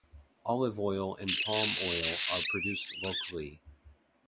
Olive oil and palm oil are produced locally.